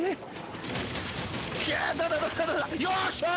よっしゃー！